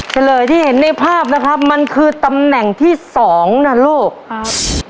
เฉลยที่เห็นในภาพนะครับมันคือตำแหน่งที่สองนะลูกครับ